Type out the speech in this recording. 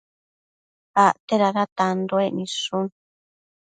Acte dada tanduec nidshu